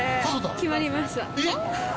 決まりました。